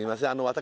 私